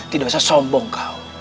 tidak usah sombong kau